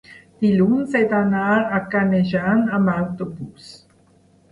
dilluns he d'anar a Canejan amb autobús.